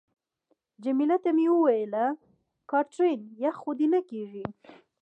جميله ته مې وویل: کاترین، یخ خو دې نه کېږي؟